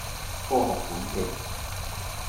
科學館徑